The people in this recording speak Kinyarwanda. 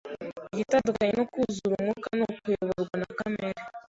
Igitandukanye no kwuzura Umwuka ni ukuyoborwa na kamere.